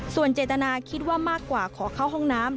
ส่วนเจตนาคิดว่ามากกว่าขอเข้าห้องน้ำ